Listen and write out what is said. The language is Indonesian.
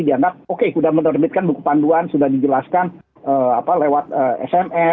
dianggap oke sudah menerbitkan buku panduan sudah dijelaskan lewat sms